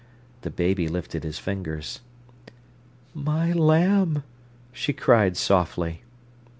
The baby lifted his fingers. "My lamb!" she cried softly.